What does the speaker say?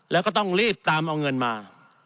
แล้วก็ต้องรีบตามเอาเงินมา